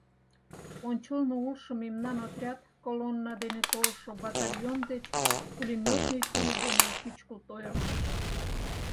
Ончылно улшо мемнан отряд колонна дене толшо батальон деч пулемётный тул дене пӱчкылт ойырлыш.